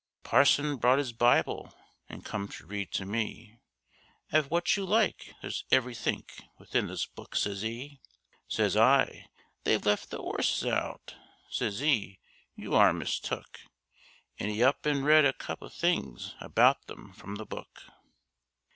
Parson brought 'is Bible and come to read to me; ''Ave what you like, there's everythink within this Book,' says 'e. Says I, 'They've left the 'orses out!' Says 'e, 'You are mistook;' An' 'e up an' read a 'eap of things about them from the Book.